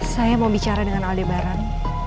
saya mau bicara dengan alde bareng